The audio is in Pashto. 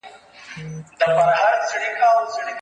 په شنو طوطیانو ښکلی ښکلی چنار